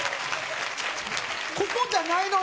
ここじゃないのよ。